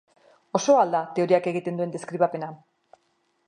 Osoa al da teoriak egiten duen deskribapena?